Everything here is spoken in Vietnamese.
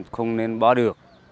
không nên bỏ được